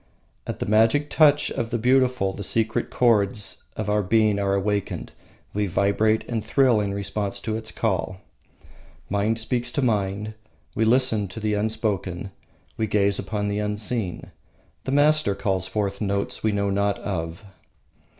At the magic touch of the beautiful the secret chords of our being are awakened, we vibrate and thrill in response to its call. Mind speaks to mind. We listen to the unspoken, we gaze upon the unseen. The master calls forth notes we know not of.